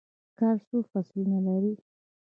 کال څو فصلونه لري؟